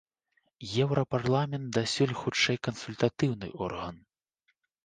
Еўрапарламент дасюль хутчэй кансультатыўны орган.